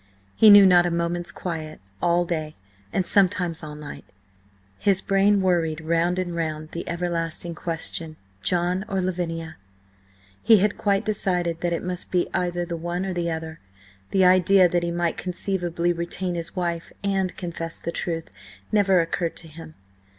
He knew not a moment's quiet; all day, and sometimes all night, his brain worried round and round the everlasting question: John or Lavinia? He had quite decided that it must be either the one or the other; the idea that he might conceivably retain his wife and confess the truth, never occurred to him.